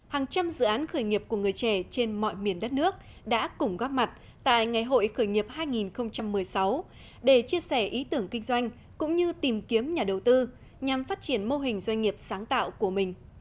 hàng trăm dự án khởi nghiệp của người trẻ trên mọi miền đất nước đã cùng góp mặt tại ngày hội khởi nghiệp hai nghìn một mươi sáu để chia sẻ ý tưởng kinh doanh cũng như tìm kiếm nhà đầu tư nhằm phát triển mô hình doanh nghiệp sáng tạo của mình